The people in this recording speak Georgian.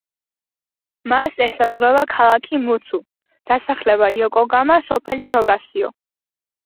მას ესაზღვრება ქალაქი მუცუ, დასახლება იოკოგამა, სოფელი როკასიო.